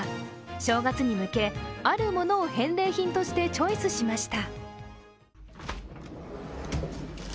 正月に向け、あるものを返礼品としてチョイスしました。